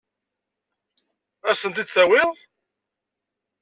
Ad as-tent-id-tawiḍ?